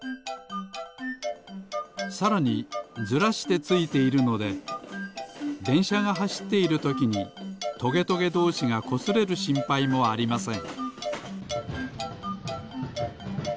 さらにずらしてついているのででんしゃがはしっているときにトゲトゲどうしがこすれるしんぱいもありません。